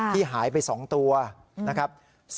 ที่หายไป๒ตัวนะครับ